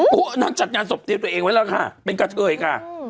นางจัดงานศพเตรียมตัวเองไว้แล้วค่ะเป็นกะเทยค่ะ